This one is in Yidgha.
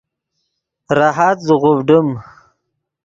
راحت زیغوڤڈیم